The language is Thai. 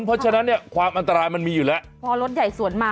เพราะฉะนั้นเนี่ยความอันตรายมันมีอยู่แล้วพอรถใหญ่สวนมา